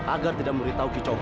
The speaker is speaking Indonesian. agar tidak memberitahu kicau